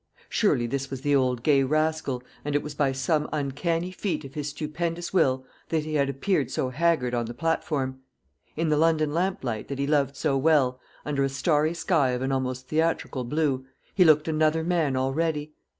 Surely this was the old gay rascal, and it was by some uncanny feat of his stupendous will that he had appeared so haggard on the platform. In the London lamplight that he loved so well, under a starry sky of an almost theatrical blue, he looked another man already.